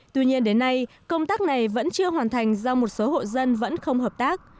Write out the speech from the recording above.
tuy nhiên đến nay công tác này vẫn chưa hoàn thành do một số hộ dân vẫn không hợp tác